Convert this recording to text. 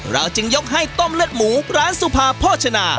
จึงยกให้ต้มเลือดหมูร้านสุภาโภชนา